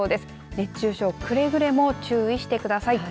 熱中症くれぐれも注意してください。